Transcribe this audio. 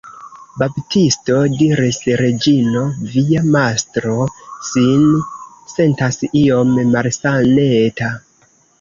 Baptisto, diris Reĝino, via mastro sin sentas iom malsaneta.